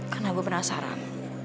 karena gue penasaran